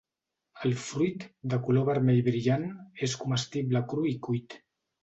El fruit, de color vermell brillant, és comestible cru i cuit.